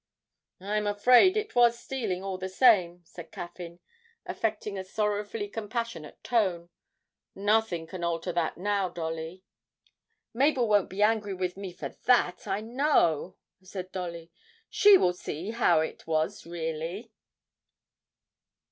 'I'm afraid it was stealing all the same,' said Caffyn, affecting a sorrowfully compassionate tone; 'nothing can alter that now, Dolly.' 'Mabel won't be angry with me for that, I know,' said Dolly; 'she will see how it was really.'